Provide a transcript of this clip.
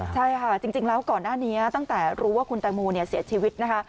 ใช่ค่ะจริงแล้วก่อนหน้านี้ตั้งแต่รู้ว่าคุณแตงโมเสียชีวิตนะคะ